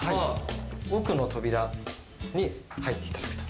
奥の扉に入っていただくと。